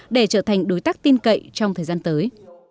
để trở thành đối tác tin cậy trong thời gian tới